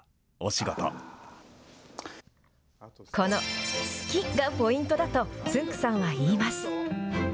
この好きがポイントだとつんく♂さんは言います。